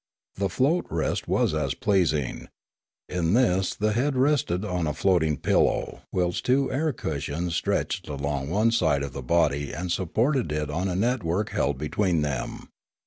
The float rest was as pleasing; in this the head rested on a floating pillow whilst two air cushions stretched along one side Sleep, Rest, and Flight 29 of the body and supported it on a network held between them.